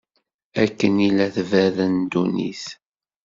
Akken i la tberren ddunit.